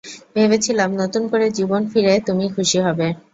ভেবেছিলাম, নতুন করে জীবন ফিরে তুমি খুশি হবে!